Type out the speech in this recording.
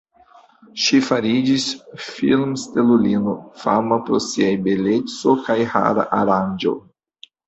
Ŝi fariĝis film-stelulino, fama pro siaj beleco kaj har-aranĝo.